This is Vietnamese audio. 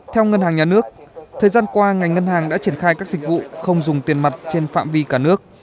theo ngân hàng nhà nước thời gian qua ngành ngân hàng đã triển khai các dịch vụ không dùng tiền mặt trên phạm vi cả nước